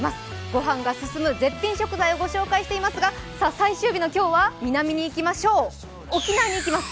ごはんが進む絶品食材をご紹介していますが最終日の今日は南に行きましょう、沖縄に行きます。